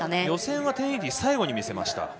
予選は１０８０を最後に見せました。